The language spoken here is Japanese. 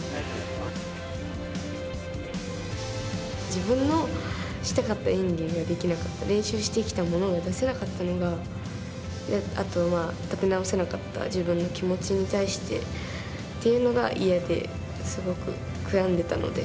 自分のしたかった演技ができなかった練習してきたものが出せなかったのがあと、立て直せなかった自分の気持ちに対してっていうのが嫌ですごく悔やんでたので。